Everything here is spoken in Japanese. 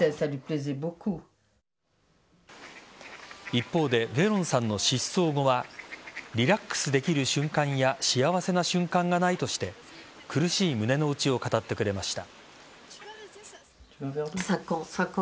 一方で、ベロンさんの失踪後はリラックスできる瞬間や幸せな瞬間がないとして苦しい胸の内を語ってくれました。